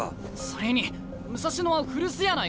それに武蔵野は古巣やないか。